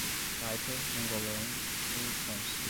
Taipa, mongolão ou sonsa